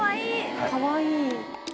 かわいい。